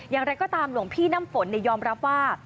อย่างไรก็ตามหลวงพี่น้ำฝนยอมรับว่า